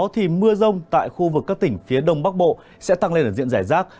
thì mưa rông tại khu vực các tỉnh phía đông bắc bộ sẽ tăng lên ở diện giải rác